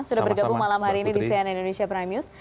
sudah bergabung malam hari ini di cnn indonesia prime news